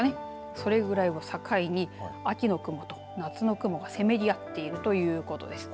それぐらいを境に秋の雲と夏の雲がせめぎ合っているということです。